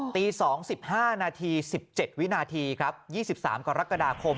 ตีสองสิบห้านาทีสิบเจ็ดวินาทีครับยี่สิบสามกับรักษาดาคม